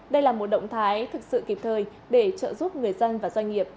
đây là một động thái thực sự kịp thời để trợ giúp người dân và doanh nghiệp